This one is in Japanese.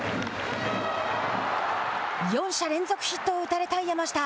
４者連続ヒットを打たれた山下。